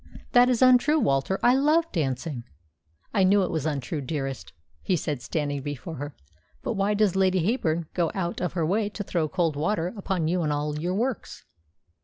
"That is untrue, Walter. I love dancing." "I knew it was untrue, dearest," he said, standing before her. "But why does Lady Heyburn go out of her way to throw cold water upon you and all your works?"